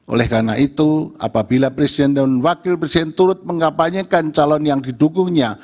oleh karena itu apabila presiden dan wakil presiden turut mengkapanyekan calon yang didukungnya